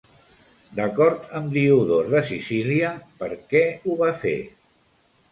D'acord amb Diodor de Sicília, per què ho va fer?